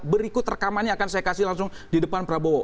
berikut rekamannya akan saya kasih langsung di depan prabowo